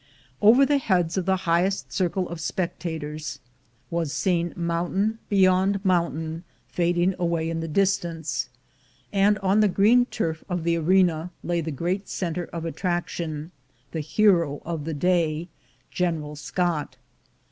Over the heads of the highest circle of spectators was seen 278 THE GOLD HUNTERS mountain beyond mountain fading away in the distance, and on the green turf of the arena lay the great center of attraction, the hero of the day, General Scott.